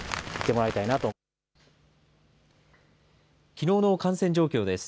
きのうの感染状況です。